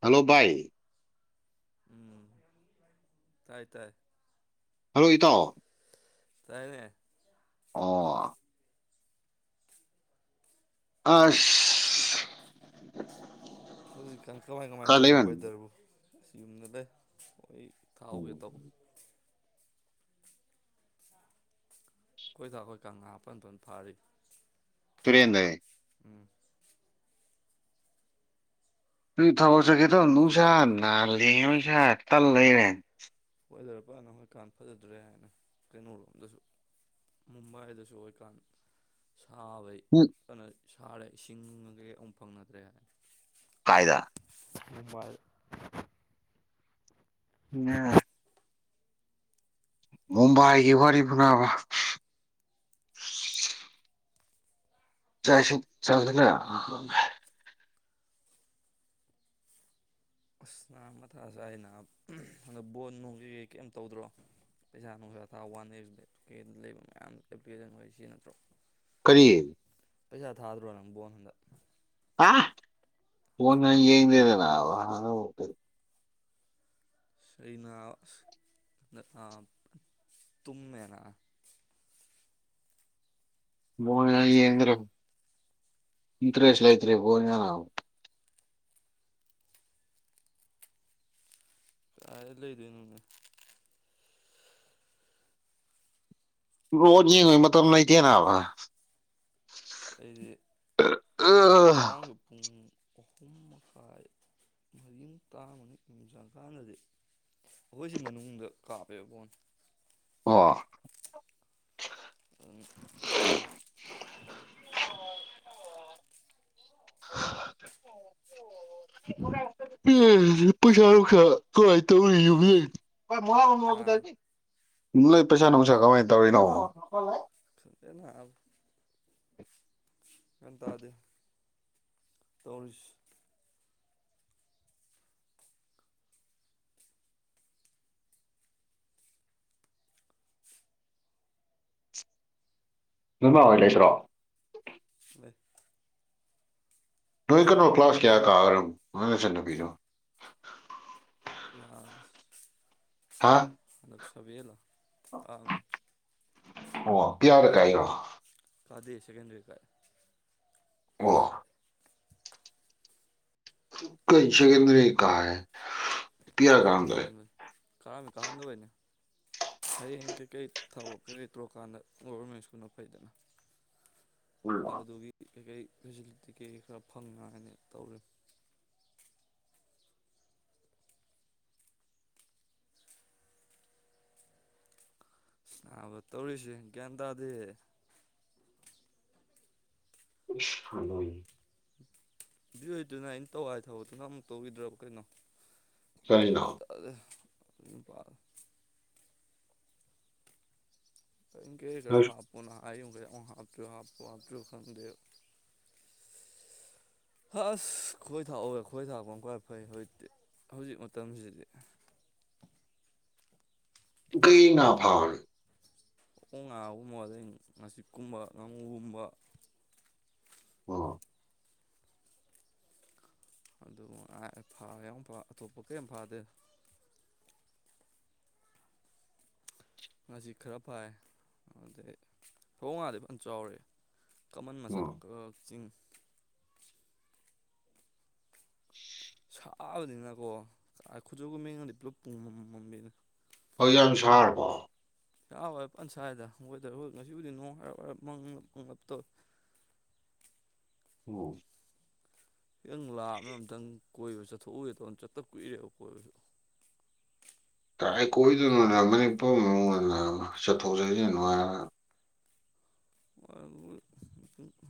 hello ꯚꯥꯏ ꯎꯝ ꯇꯥꯏ ꯇꯥꯏ ꯍꯜꯂꯣ ꯏꯇꯥꯎ ꯂꯥꯢꯔꯦ ꯑꯣ ꯑꯁ ꯍꯧꯖꯤꯛꯀꯥꯟ ꯀꯃꯥꯏ ꯀꯃꯥꯏ ꯈꯔ ꯇꯧꯔꯤ ꯂꯩꯃꯟ ꯋꯦꯗꯔꯕꯨ ꯉꯁꯤ ꯌꯨꯝꯗ ꯂꯩ ꯑꯩ ꯎꯝ ꯊꯥꯎꯒꯦ ꯇꯧ ꯑꯩꯈꯣꯏ ꯊ ꯑꯩꯈꯣꯏ ꯀꯪꯂꯥꯄꯟꯗꯅ ꯐꯥꯔꯤ ꯇꯨꯔꯦꯟꯗꯩ ꯎꯝ ꯒ꯭ꯔꯤ ꯊꯥꯎꯕ ꯆꯠꯁꯦꯗꯨꯝ ꯅꯨꯡꯁꯥ ꯅꯥꯟꯂꯗꯤ ꯅꯨꯡꯁꯥ ꯇꯜꯂꯦꯅꯦ ꯍꯖꯔꯄꯅ ꯍꯣꯏꯀꯥꯟ ꯐꯖꯗ꯭ꯔꯦ ꯍꯥꯏꯅ ꯀꯩꯅꯣꯔꯣꯝꯗꯁꯨ ꯃꯨꯝꯕꯥꯏꯗꯁꯨ ꯑꯣꯏꯀꯥꯟ ꯁꯥꯕꯩ ꯎꯝ ꯀꯅ ꯁꯥꯔꯦ ꯏꯁꯤꯡꯉꯒ ꯍ ꯑꯃꯨꯛ ꯐꯪꯅꯗ꯭ꯔꯦ ꯍꯥꯏ ꯀꯥꯏꯗ ꯃꯨꯝꯕꯥꯢꯗ ꯉꯥ ꯃꯨꯝꯕꯥꯏꯒꯤ ꯋꯥꯔꯤ ꯄꯨꯔꯑꯕ ꯆꯥꯛ ꯏꯁꯤꯡ ꯆꯥꯒꯦꯔꯥ ꯑꯁ ꯌꯥꯝ ꯃꯊꯥ ꯁꯥꯏꯌꯦꯅ ꯑꯝ ꯑꯗ ꯕꯣꯜ ꯅꯨꯡꯁꯤ ꯀꯩꯝ ꯇꯧꯗ꯭ꯔꯣ ꯄꯩꯁꯥ ꯅꯨꯡꯁꯥꯊꯥ ꯋꯥꯟ ꯋꯦꯁ ꯀꯦꯝ ꯂꯩꯕ ꯃꯌꯥꯝ ꯑꯦꯄ꯭ꯂꯤꯀꯦꯁꯟ ꯑꯣꯏ ꯁꯤ ꯅꯠꯇ꯭ꯔꯣ ꯀꯔꯤ ꯄꯩꯁꯥ ꯊꯥꯗꯔꯣ ꯅꯪ ꯕꯣꯜꯗ ꯐ ꯕꯣꯜꯒ ꯌꯦꯡꯗꯦꯗ ꯅꯥꯕ ꯑꯩꯅ ꯅꯁꯥꯝ ꯇꯨꯝꯃꯦꯅ ꯕꯣꯜꯒ ꯌꯦꯡꯗꯦꯔ ꯏꯟꯇ꯭ꯔꯦꯁ ꯂꯩꯇ꯭ꯔꯦ ꯕꯣꯜꯒ ꯀ ꯂꯩꯗꯨꯅꯅꯦ ꯕꯣꯜꯒ ꯌꯦꯡꯕꯩ ꯃꯇꯝ ꯂꯩꯇꯦ ꯅꯕ ꯑꯩꯗꯤ ꯉꯥꯔꯥꯡꯁꯨꯨ ꯄꯨꯡ ꯑꯍꯨꯝ ꯃꯈꯥꯏ ꯃꯔꯤ ꯇꯥꯕꯅ ꯌꯨꯝꯖ ꯀꯥꯟꯅꯗꯦ ꯑꯩꯈꯣꯏ ꯁꯤ ꯃꯅꯨꯡꯗ ꯀꯥꯞꯄꯦꯕ ꯕꯣꯟ ꯑꯥ ꯑꯗꯨꯝ [inaudible] [unintelligible] ꯄꯩꯁꯥ ꯅꯨꯡꯁꯥ ꯀꯃꯥꯏ ꯇꯧꯔꯤꯒꯦ ꯍꯥ ꯌꯨꯝꯗ ꯂꯩ ꯅꯣꯏ ꯄꯩꯁꯥ ꯅꯨꯡꯁꯥ ꯀꯃꯥꯏꯅ ꯇꯧꯔꯤꯅꯣ ꯅꯪ ꯂꯥꯛꯑꯕ ꯒ꯭ꯌꯥꯟ ꯇꯥꯗꯦ ꯇꯧꯔꯤꯁ ꯅꯃꯥ ꯍꯣꯏ ꯂꯩꯇꯔꯣ ꯂꯩ ꯅꯣꯏ ꯀꯅꯣ ꯀ꯭ꯂꯥꯁ ꯀꯌꯥ ꯀꯥꯒ꯭ꯔꯝꯅꯣ ꯅꯪ ꯅꯆꯟꯅꯨꯄꯤꯖꯨ ꯂꯥꯁ ꯍꯥꯥ ꯁꯚꯦꯟꯂꯣ ꯑꯥꯝ ꯑꯣ ꯀ꯭ꯌꯥꯗ ꯀꯥꯏꯅꯣ ꯀꯥꯗꯦ ꯁꯦꯀꯦꯟꯗ꯭ꯔꯤ ꯀꯥꯏ ꯑꯣ ꯀꯩ ꯁꯦꯀꯦꯟꯗ꯭ꯔꯤ ꯀꯥꯏꯌꯦ ꯑꯗꯨ ꯀꯥꯍꯟꯕꯩ ꯀꯥꯔꯝꯃꯤ ꯀꯥꯍꯟꯗꯕꯩꯅꯤ ꯍꯌꯦꯡ ꯀꯩꯀꯩ ꯊꯕꯛ ꯀꯩꯀꯩ ꯇꯧꯔꯀꯥꯟꯗ ꯒꯣꯔꯚꯔꯃꯦꯟ ꯁ꯭ꯀꯨꯜꯅ ꯐꯩꯗ ꯑꯗꯨꯗꯨꯒꯤ ꯀꯩꯀꯩ ꯐꯦꯁꯤꯂꯤꯇꯤ ꯀꯩꯀꯩ ꯈꯔ ꯐꯪꯅꯉꯥꯏꯅꯤ ꯇꯧꯔꯤꯝꯅꯤ ꯅꯥꯕ ꯇꯧꯔꯤꯁꯤ ꯒ꯭ꯌꯥꯟ ꯇꯥꯗꯦ [unintelligible] [unintelligible] ꯇꯧ ꯍꯥꯏ ꯊꯕꯛꯇꯣ ꯅꯪ ꯃꯨꯛ ꯇꯧꯒꯤꯗ꯭ꯔꯣ ꯀꯩꯅꯣ ꯀꯩꯅꯣ ꯒ꯭ꯌꯥꯟ ꯇꯥꯗꯦ ꯅꯨꯄꯥ ꯄꯦꯡꯀꯦꯒ꯭ꯔ ꯍꯥꯞꯄꯨꯅ ꯑꯌꯨꯝꯒꯤ ꯑꯃ ꯍꯥꯞꯇꯤꯔ ꯍꯥꯞꯄꯨ ꯍꯥꯞꯇꯣꯏꯔ ꯈꯪꯗꯦ [unintelligible] [unintelligible] ꯍꯧꯖꯤꯛ ꯃꯇꯝꯖꯤꯗꯤ ꯄꯨꯀ꯭ꯔꯤ ꯉꯥ ꯐꯥꯕꯩ ꯑꯣꯡ ꯉꯥꯒꯨꯝꯕ ꯑꯗꯩ ꯉꯥꯆꯤꯛꯀꯨꯝꯕ ꯉꯥꯃꯨꯒꯨꯝꯕ ꯑꯣ ꯑꯗꯨ ꯉꯥꯏꯍꯥꯛ ꯐꯥꯔꯦ ꯑꯃꯨꯛ ꯐꯥ ꯑꯇꯣꯞꯄ ꯀꯌꯤꯝ ꯐꯥꯗꯦ ꯉꯁꯤ ꯈꯔ ꯐꯥꯏ ꯑꯗꯩ ꯐꯕꯧꯉꯥꯗꯤ ꯐ ꯆꯥꯎꯔꯦ ꯀꯃꯟ ꯃꯆꯥ ꯎꯝ ꯀꯥ ꯆꯤꯡ ꯁꯥꯕꯅꯤꯅꯀꯣ ꯑꯥ ꯈꯨꯆꯨ ꯈꯨꯃꯦꯟꯒꯗꯤ ꯄꯨꯂꯞ ꯄꯨꯃꯝ ꯃꯝꯃꯦꯗ ꯍꯧꯖꯤꯛ ꯌꯥꯝ ꯁꯥꯔꯕꯣ ꯁꯕ ꯐ ꯁꯥꯏꯗ ꯍꯣꯏꯗ ꯉꯁꯤꯕꯨꯗꯤ ꯅꯣꯡ ꯍꯥꯏꯔꯞ ꯍꯥꯏꯔꯞ ꯃꯪꯕ ꯃꯪꯂꯞ ꯇꯧꯋꯦ [inaudible] ꯎꯝ ꯈꯤꯇꯪ ꯂꯥꯞꯅ ꯑꯝꯇꯪ ꯀꯣꯏꯕ ꯆꯠꯊꯣꯛꯎꯒꯦ ꯇꯧꯅꯦ ꯆꯠꯇ ꯀꯨꯏꯔꯦꯕ ꯀꯣꯏꯕꯖꯨ [inaudible] ꯀꯥꯏ ꯀꯣꯏꯗꯣꯏꯅꯣꯅ ꯃꯅꯤꯄꯨꯔ ꯃꯅꯨꯡꯅ ꯂꯥꯟꯅ ꯆꯠꯊꯣꯛ ꯆꯠꯁꯤꯟ ꯅꯨꯡꯉꯥꯏꯕ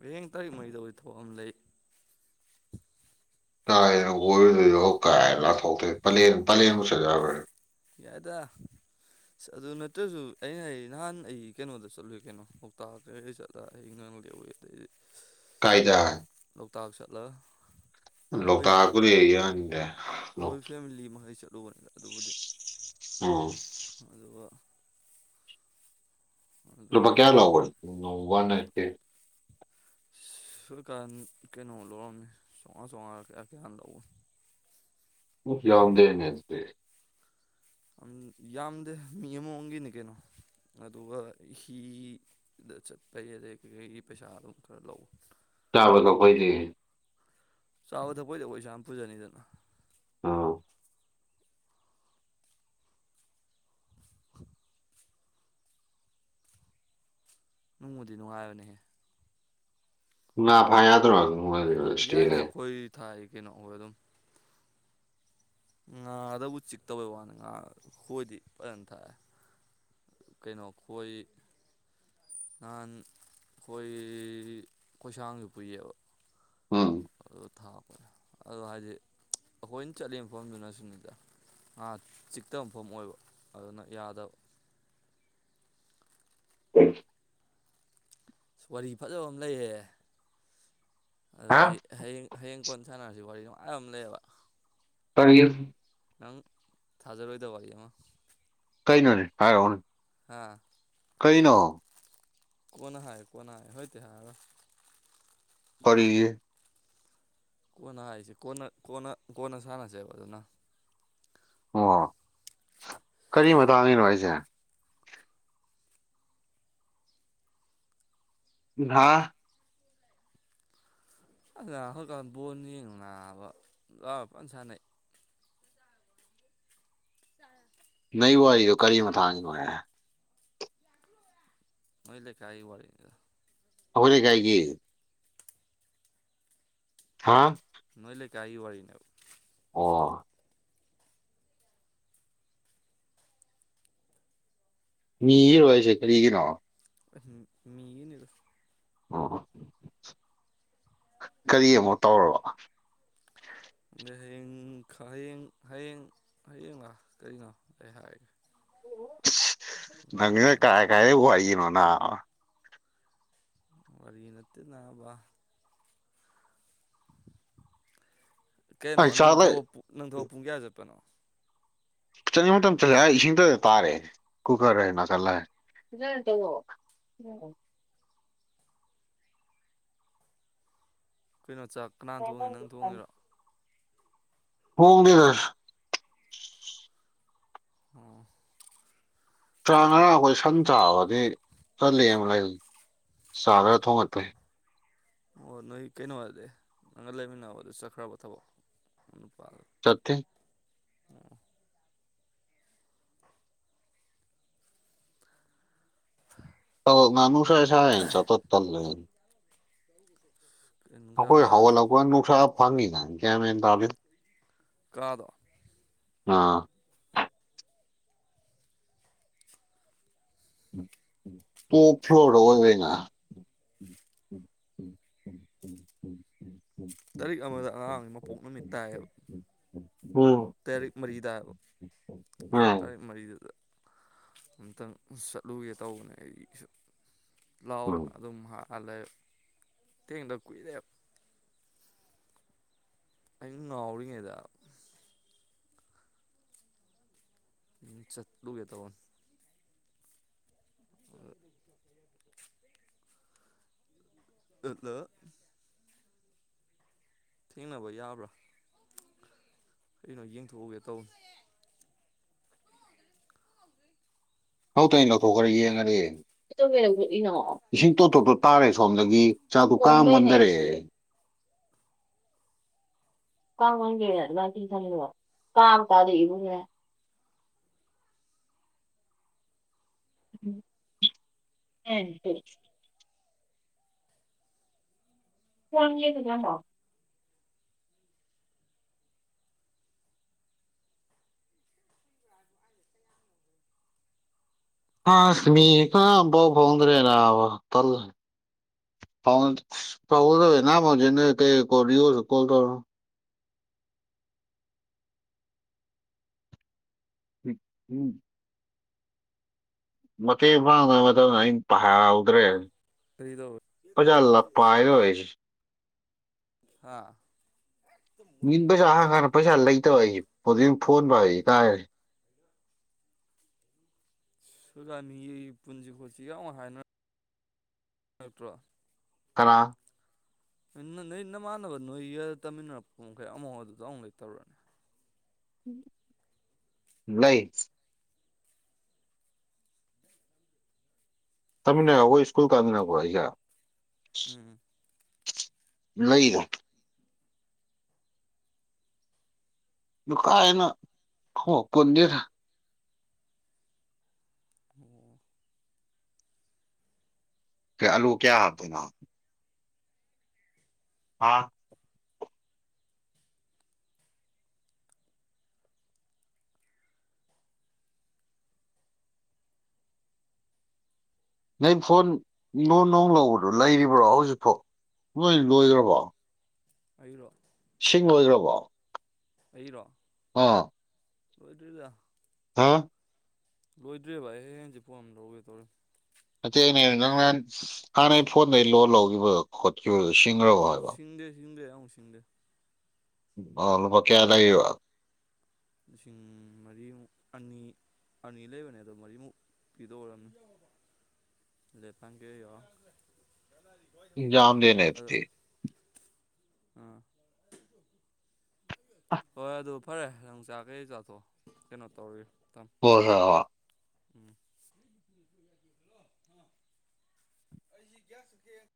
ꯍꯌꯦꯡ ꯇꯥꯔꯤꯛ ꯃꯔꯤꯗ ꯑꯣꯏ ꯊꯕꯛ ꯑꯝ ꯂꯩ [inaudible] [unintelligible] ꯄꯂꯦꯟ ꯄꯂꯦꯟꯕꯨ ꯆꯠ ꯌꯥꯕ꯭ꯔꯅꯦ ꯌꯥꯏꯗꯥ ꯑꯗꯨ ꯅꯠꯇ꯭ꯔꯖꯨ ꯑꯩ ꯅꯍꯥꯟ ꯑꯩ ꯀꯩꯅꯣꯗ ꯆꯠꯂꯨꯏ ꯀꯩꯅꯣ ꯂꯣꯛꯇꯥꯛ [unintelligible] [unintelligible] ꯀꯥꯏꯗꯥ ꯂꯣꯛꯇꯥꯛ ꯆꯠꯂ ꯂꯣꯛꯇꯥꯛ ꯄꯨꯗꯤ ꯌꯥꯅꯤꯗꯥ ꯍꯣꯏ ꯐꯦꯃꯤꯂꯤ ꯃꯈꯩ ꯆꯠꯂꯨꯕꯅꯤꯗ ꯑꯗꯨꯕꯨꯗꯤ ꯑꯣ ꯑꯗꯨꯒ ꯑꯗꯨꯝ ꯂꯨꯄꯥ ꯀꯌꯥ ꯂꯧꯕ ꯅꯣꯡꯃ ꯋꯥꯟ ꯅꯥꯏꯠꯇꯤ ꯁꯔꯀꯥꯟ ꯀꯩꯅꯣ ꯂꯧꯔꯝꯃꯤ ꯆꯧꯉꯥ ꯆꯧꯉꯥꯔ ꯀꯌꯥ ꯀꯌꯥꯅꯣ ꯂꯧꯕꯅꯦ ꯎꯝ ꯌꯥꯎꯗꯦꯅꯦ ꯗꯨꯗꯤ ꯌꯥꯝꯗꯦ ꯃꯤ ꯑꯃꯃꯝꯒꯤꯅꯦ ꯀꯩꯅꯣ ꯑꯗꯨꯒ ꯍꯤꯗ ꯆꯠꯄꯒꯤ ꯑꯗꯩ ꯀꯩꯀꯩꯒꯤ ꯄꯩꯁꯥ ꯑꯗꯨꯝ ꯈꯔ ꯂꯧ ꯆꯥꯕ ꯊꯛꯄꯩꯗꯤ ꯆꯥꯕ ꯊꯛꯄꯩꯗꯤ ꯑꯩꯈꯣꯏ ꯏꯁꯥꯅ ꯄꯨꯖꯅꯤꯗꯅ ꯑꯥ [inaudible] ꯅꯨꯡꯕꯨꯗꯤ ꯅꯨꯡꯉꯥꯏꯕꯅꯦꯍꯦ ꯉꯥ ꯐꯥ ꯌꯥꯗ꯭ꯔꯣ ꯌꯥꯏꯗ [unintelligible] ꯑꯩꯈꯣꯏ ꯊꯥꯏ ꯀꯩꯅꯣ ꯑꯣꯗꯗꯨꯝ ꯉꯥꯗꯕꯨ ꯆꯤꯛꯇꯕꯩ ꯋꯥꯅꯤ ꯉꯥ ꯈꯣꯏꯗꯤ ꯐꯖꯅ ꯊꯥꯛꯑꯦ ꯀꯩꯅꯣ ꯈꯣꯏ ꯅꯍꯥꯟ ꯈꯣꯏ ꯈꯣꯏꯁꯥꯡꯁꯨ ꯄꯨꯏꯌꯦꯕ ꯎꯝ ꯊꯥꯄꯅꯦ ꯑꯗꯣ ꯍꯥꯏꯗꯤ ꯑꯩꯈꯣꯏꯅ ꯆꯠꯂꯤꯕ ꯃꯐꯝꯗꯨꯅ ꯁꯤꯅꯤꯗ ꯑꯥ ꯆꯤꯛꯇ ꯃꯐꯝ ꯑꯣꯏꯕ ꯑꯗꯨꯅ ꯌꯥꯗꯕ [unintelligible] ꯋꯥꯔꯤ ꯐꯖꯕ ꯑꯃ ꯂꯩꯌꯦ ꯍꯥ ꯑꯗꯨꯗꯤ ꯍꯌꯦꯡ ꯍꯌꯦꯡ ꯀꯣꯟ ꯁꯥꯅꯔꯁꯤ ꯋꯥꯔꯤ ꯗꯣ ꯅꯨꯡꯉꯥꯏꯕꯃ ꯂꯩꯌꯦꯕ ꯀꯔꯤ ꯅꯪ ꯊꯥꯖꯔꯣꯏꯗꯕ ꯑꯩ ꯑꯃ ꯀꯩ ꯅꯣꯅꯦ ꯍꯥꯏꯔꯑꯣꯅꯦ ꯍꯥꯥ ꯀꯩꯅꯣ ꯀꯣꯟꯅꯥ ꯍꯥꯏ ꯀꯣꯅꯥ ꯍꯥꯏ ꯍꯧ ꯇꯤ ꯍꯥꯏꯔꯔꯣꯏ ꯀꯔꯤꯒꯤ ꯀꯣꯟꯅ ꯍꯥꯏꯁꯦ ꯀꯣꯟꯅ ꯀꯣꯟꯅ ꯀꯣꯟꯅ ꯁꯥꯟꯅꯁꯦꯕ ꯑꯗꯨꯅ ꯑꯣ ꯀꯔꯤ ꯃꯇꯥꯡꯒꯤꯅꯣ ꯍꯥꯏꯁꯦ ꯍꯥ ꯑꯗꯨꯈꯣꯏꯀꯥꯟꯗ ꯕꯣꯅꯤ ꯌꯦꯡ ꯅꯥꯅꯕ ꯂ ꯐ ꯁꯥꯟꯅꯩ ꯅꯣꯏ ꯋꯥꯥꯏꯗꯨ ꯀꯔꯤ ꯃꯥꯛꯒꯤꯅꯣꯍꯦ ꯅꯣꯏ ꯂꯩ ꯀꯥꯏ ꯋꯥꯔꯤꯅꯤꯗ ꯑꯩꯈꯣꯏ ꯂꯩꯀꯥꯏꯒꯤ ꯍꯥꯥ ꯅꯣꯏ ꯂꯩ ꯀꯥꯏꯒꯤ ꯋꯥꯔꯤꯅꯦꯕ ꯑꯣ ꯃꯤꯔꯣꯏꯁꯦ ꯀꯔꯤꯒꯤꯅꯣ ꯃꯤꯅꯤ ꯑꯣ ꯀꯔꯤ ꯑꯃꯨꯛ ꯇꯧꯔꯕ ꯑ ꯍꯌꯦꯡ ꯍꯌꯦꯡ ꯍꯌꯦꯡ ꯍꯌꯦꯡꯒ ꯀꯔꯤꯅꯣ ꯑꯩ ꯍꯥꯏꯒꯦ ꯄꯁ ꯅꯪꯅ ꯀꯥꯏ ꯀꯥꯏꯗꯩ ꯋꯥꯔꯤꯅꯣ ꯅꯥꯕ ꯋꯥꯔꯤ ꯅꯠꯇꯦ ꯅꯥꯕ ꯀꯩꯅꯣ ꯑꯩ ꯅꯪ ꯆꯥꯛꯂ ꯊꯥꯕꯛ ꯄꯨ ꯅꯪ ꯊꯕꯛ ꯄꯨꯡ ꯀꯌꯥ ꯆꯠꯄꯅꯣ ꯆꯠꯅꯤꯡꯕ ꯃꯇꯝꯗ ꯑꯩ ꯏꯁꯤꯡꯗ ꯇꯥꯔꯦ ꯀꯨꯀꯔ ꯍ ꯅꯥꯀꯜꯂ ꯐꯖꯅ ꯇꯧꯋꯣ ꯀꯩꯅꯣ ꯆꯥꯛ ꯀꯅꯥ ꯊꯣꯡꯉꯦ ꯅꯪ ꯊꯣꯡꯉꯤꯔꯣ ꯊꯣꯡꯗꯦꯗ ꯎꯝ ꯆꯥ ꯉꯔꯥꯡ ꯑꯩꯈꯣꯏ ꯁꯪ ꯆꯥꯕꯗꯤ ꯆꯠꯂꯤ ꯑꯃ ꯂꯩ ꯁꯥ ꯈꯔ ꯊꯣꯡꯒꯠꯄꯩ ꯑꯣ ꯅꯣꯏ ꯀꯩꯅꯣ ꯍꯥꯏꯗꯤ ꯅꯪꯒ ꯂꯩꯃꯤꯟꯅꯕꯗꯨ ꯆꯠꯈ꯭ꯔꯕꯣ ꯊꯕꯛ ꯅꯨꯄꯥ ꯆꯠꯇꯦ ꯑꯣ ꯉꯥꯅꯨ ꯁꯥꯢ ꯁꯥꯢ ꯆꯠꯄ ꯇꯜꯂꯦꯌꯦ ꯅꯨꯡꯁꯥ ꯑꯩꯈꯣꯏ ꯁꯥꯔꯁꯨ ꯍꯧꯒꯠꯂꯛꯄꯒ ꯅꯨꯡꯁꯥ ꯐꯥꯉꯤ ꯒ꯭ꯌꯥꯟ ꯃꯦꯟ ꯇꯥꯗꯦꯗ ꯀꯥꯅꯗ ꯑꯥ ꯇꯣꯞ ꯐ꯭ꯂꯣꯔꯗ ꯑꯣꯏꯕꯩꯅ [unintelligible] ꯇꯔꯤꯛ ꯑꯃꯗ ꯑꯉꯥꯡ ꯃꯄꯣꯛ ꯅꯨꯃꯤꯠ ꯇꯥꯏꯌꯦꯕ ꯇꯥꯔꯤꯛ ꯃꯔꯤꯗꯕ ꯑꯗꯨ ꯇꯥꯔꯤꯛ ꯃꯔꯤꯗꯨꯗ ꯑꯝꯇꯪ ꯆꯠꯂꯨꯒꯦ ꯇꯧꯕꯅꯦ ꯑꯩꯁꯨ ꯂꯥꯎ ꯎꯝ ꯑꯗꯨꯝ ꯍꯥꯜꯂꯦ ꯊꯦꯡꯅꯗ ꯀꯨꯏꯔꯦ ꯑꯩ ꯉꯥꯎꯔꯤꯉꯩꯗ ꯎꯝ ꯆꯠꯂꯨꯒꯦ ꯇꯧꯕ ꯑ ꯗꯗꯥ ꯊꯦꯡꯅꯕ ꯌꯥꯕ꯭ꯔꯥ ꯀꯩꯅꯣ ꯌꯦꯡꯊꯣꯛꯎꯒꯦ ꯇꯧꯅꯦ ꯂꯧ ꯇꯥꯢꯟ ꯂꯧꯊꯣꯛꯈ꯭ꯔ ꯌꯦꯡꯉꯗꯤ [unintelligible] ꯏꯁꯤꯡ ꯇꯣꯞ ꯇꯣ ꯇꯣꯞ ꯇꯔꯦ ꯁꯣꯝꯗꯒꯤ ꯆꯥꯛꯇꯣ ꯀꯥ ꯃꯨꯟꯗꯔꯦ [inaudible] [unintelligible] ꯀꯥꯟ ꯇꯥꯗꯦ ꯏꯕꯨꯡꯉꯣ ꯍꯦꯟ ꯍꯦ [unintelligible] ꯑꯥꯁ ꯃꯤ ꯇꯔꯥ ꯐꯥꯎ ꯐꯪꯗꯔꯦ ꯅꯥꯕ ꯇꯜꯂꯦ ꯍꯥꯎ ꯑꯁ ꯇꯥꯎꯒꯗꯧꯁꯦ ꯅꯥꯕ ꯍꯧꯖꯤꯛ ꯅꯣꯢ ꯀꯩ ꯀꯣꯗꯤꯑꯣꯗꯣ ꯀꯣꯜ ꯇꯧꯔꯣ ꯏ ꯎꯝ ꯃꯇꯦꯛ ꯄꯥꯡꯅꯕ ꯃꯇꯝꯗ ꯑꯩꯅ ꯄꯥꯍꯧꯗ꯭ꯔꯦ ꯀꯔꯤ ꯇꯧꯋꯦ ꯄꯩꯁꯥ ꯂ ꯄꯥꯢꯔꯣꯢ ꯑꯩꯁ ꯍꯥ ꯃꯤꯟ ꯄꯩꯁꯥ ꯍꯥꯡ ꯀꯥꯟꯅ ꯄꯩꯁꯥ ꯂꯩꯇꯕ ꯑꯩ ꯍꯧꯖꯤꯛ ꯐꯣꯟꯕꯧ ꯑꯩ ꯕꯩ ꯇꯥꯔꯦ ꯁꯨꯗꯥ ꯃꯤꯒꯤ ꯄꯨꯟꯁꯤ ꯈꯣꯠꯁꯤ ꯌꯥꯝ ꯍꯥꯏꯅ ꯅꯠꯇ꯭ꯔꯣ ꯀꯅꯥ ꯅꯣ ꯅꯣꯏ ꯅꯃꯥꯟꯅꯕ ꯅꯣꯏ ꯌ ꯇꯝꯃꯤꯟꯅꯔꯛꯄ ꯃꯈꯩ ꯑꯃꯐꯥꯎ ꯑꯃꯕꯧ ꯂꯩꯇꯕꯔꯥ ꯂꯩ ꯇꯝꯃꯤꯅꯕ ꯈꯣꯢ ꯏꯁ꯭ꯀꯨꯜ ꯀꯥꯃꯤꯟꯅꯕꯔꯣ ꯑꯩꯒ ꯎꯝ ꯂꯩꯗ ꯅ ꯀꯥꯏꯅꯣ ꯍꯣꯢ ꯄꯨꯟꯗꯦꯗ ꯑꯣ ꯀ꯭ꯌꯥ ꯑꯜꯂꯨ ꯀ꯭ꯌꯥ ꯍꯥꯞꯇꯣꯢꯅꯣ ꯑꯥ ꯅꯪꯒꯤ ꯐꯣꯟ ꯅꯣ ꯅꯣ ꯂꯧꯕꯗꯣ ꯂꯩꯔꯤꯕ꯭ꯔꯣ ꯍꯧꯖꯤꯛꯐꯥꯎ ꯅꯣꯏ ꯂꯣꯏꯈ꯭ꯔꯕꯣ ꯑꯩꯔꯣ ꯁꯤꯡ ꯂꯣꯢꯈ꯭ꯔꯕꯣ ꯑꯩꯔꯣ ꯑꯥ ꯑꯗꯨꯗꯣ ꯍꯥꯥ [unintelligible] ꯅꯠꯇꯦꯅꯦ ꯅꯪ ꯅꯍꯥꯟ ꯍꯥꯟꯅꯩ ꯐꯣꯟꯗꯩ ꯂꯣꯟ ꯂꯧꯒꯤꯕ ꯈꯣꯠꯈꯤꯕ ꯁꯤꯡ ꯁꯤꯡꯗꯦ ꯁꯤꯡꯗꯦ ꯑꯃꯨ ꯁꯤꯡꯗꯦ ꯑ ꯂꯨꯄꯥ ꯀꯌꯥ ꯂꯩꯑꯦꯕ ꯂꯤꯁꯤꯡ ꯃꯔꯤꯃꯨꯛ ꯑꯅꯤ ꯑꯅꯤ ꯂꯩꯕꯅꯦꯗꯣ ꯃꯔꯤ ꯃꯨꯛ ꯄꯤꯗꯣꯈ꯭ꯔꯝꯅꯤ [unintelligible] ꯏꯟ ꯌꯥꯝꯗꯦꯅꯦ ꯑꯗꯨꯗꯤ ꯑ ꯍꯣꯏ ꯑꯗꯨ ꯐꯔꯦ ꯅꯪ ꯆꯥ ꯀꯩ ꯆꯥꯊꯣꯛ ꯀꯩꯅꯣ ꯇꯧꯔꯤ ꯊꯝ [unintelligible] ꯎꯝ ꯑꯩꯗꯤ ꯒ꯭ꯌꯥꯁ ꯂꯩꯇꯦ